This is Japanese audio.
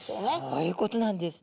そういうことなんです。